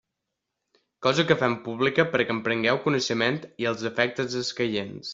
Cosa que fem pública perquè en prengueu coneixement i als efectes escaients.